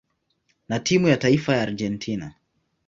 na timu ya taifa ya Argentina.